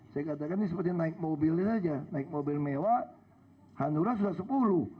saya katakan ini sepertinya naik mobilnya saja naik mobil mewah hanura sudah sepuluh